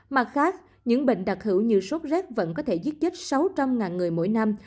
mặt khác những bệnh đặc hữu như sốt rét vẫn có thể giết chết sáu trăm linh người mỗi năm